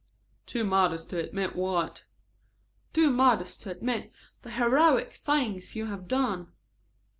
"Too modest to admit what?" "Too modest to admit the heroic things you have done."